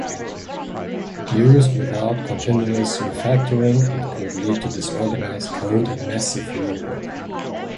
Used without continuous refactoring, it could lead to disorganized code and massive rework.